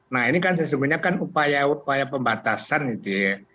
nah ini kan sesungguhnya kan upaya upaya pembatasan gitu ya